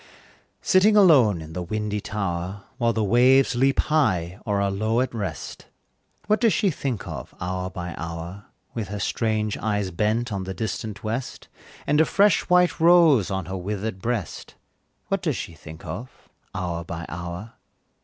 Sitting alone in the windy tower, While the waves leap high, or are low at rest, What does she think of, hour by hour, With her strange eyes bent on the distant west, And a fresh white rose on her withered breast, What does she think of, hour by hour?